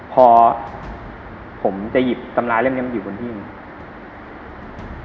พอผมจะหยิบสำราเล่มนี้อยู่บนที่นี่